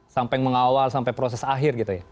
sampai mengawal sampai proses akhir gitu ya